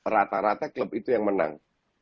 rata rata klub itu yang menang